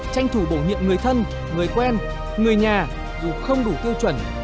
tranh thủ bổ nhiệm người thân người quen người nhà dù không đủ tiêu chuẩn